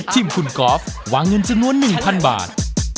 ชิมขุนกอล์ฟวางเงินจนวน๑๐๐๐บาท